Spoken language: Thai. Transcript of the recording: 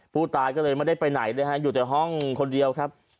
ผู้ตายก็เลยไม่ได้ไปไหนเลยฮะอยู่แต่ห้องคนเดียวครับ